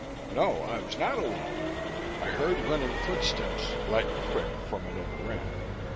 No, I was not alone! I heard running footsteps, light and quick, from another ramp.